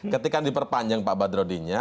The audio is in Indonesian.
ketika diperpanjang pak badrodin nya